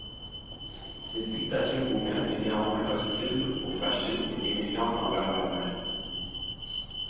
Cette dictature roumaine est néanmoins hostile au fascisme et méfiante envers l'Allemagne.